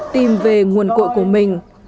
tìm về nguồn cội của mình